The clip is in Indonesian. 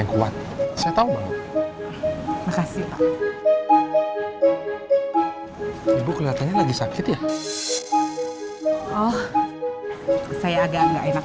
pak remak pak pak gak usah pak